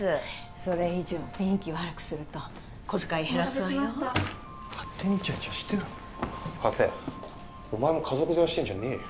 それ以上雰囲気悪くすると小遣い減らすわよお待たせしました勝手にイチャイチャしてろ加瀬お前も家族ヅラしてんじゃねえよ